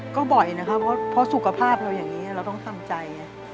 ก็บ่อยนะครับเพราะสุขภาพเราอย่างนี้เราต้องทำใจไง